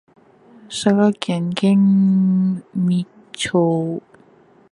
佐賀県玄海町